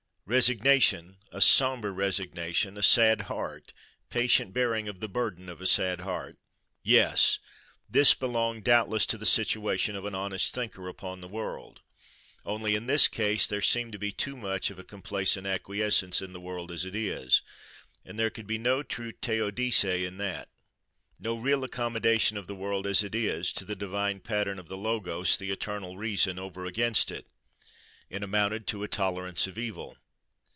Resignation, a sombre resignation, a sad heart, patient bearing of the burden of a sad heart:—Yes! this belonged doubtless to the situation of an honest thinker upon the world. Only, in this case there seemed to be too much of a complacent acquiescence in the world as it is. And there could be no true Théodicé in that; no real accommodation of the world as it is, to the divine pattern of the Logos, the eternal reason, over against it. It amounted to a tolerance of evil.